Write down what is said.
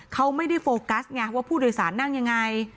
เขาไม่ได้โฟกัสไงว่าผู้โดยสารนั่งยังไง